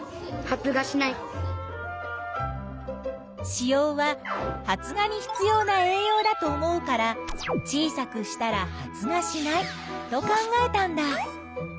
子葉は発芽に必要な栄養だと思うから小さくしたら発芽しないと考えたんだ。